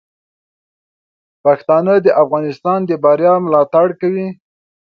پښتانه د افغانستان د بریا ملاتړ کوي.